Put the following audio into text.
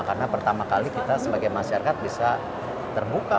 karena pertama kali kita sebagai masyarakat bisa terbuka